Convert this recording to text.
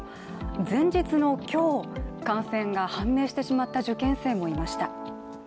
前日の今日、感染が判明してしまった受験生もいました。